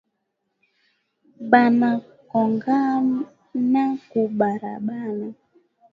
Bana kongana ku balabala